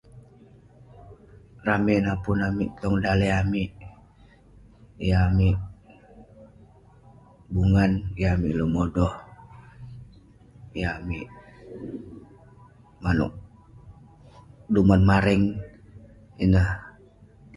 Ramey napun amik tong daleh amik yah amik bungan yah amik lengodoh, yah amik maneuk...duman mareng. Ineh.